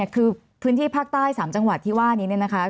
คือพื้นที่ภาคใต้๓จังหวัดที่ว่านี้เนี่ยนะคะ